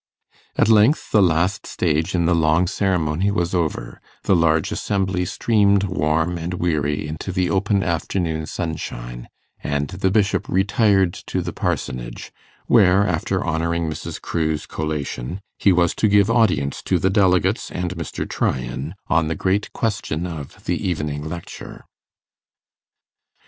At length the last stage in the long ceremony was over, the large assembly streamed warm and weary into the open afternoon sunshine, and the Bishop retired to the Parsonage, where, after honouring Mrs. Crewe's collation, he was to give audience to the delegates and Mr. Tryan on the great question of the evening lecture.